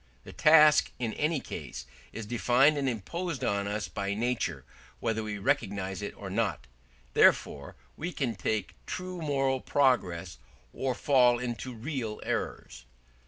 The task in any case is definite and imposed on us by nature, whether we recognise it or not; therefore we can make true moral progress or fall into real errors.